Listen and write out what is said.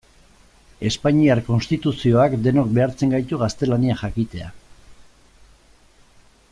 Espainiar Konstituzioak denok behartzen gaitu gaztelania jakitera.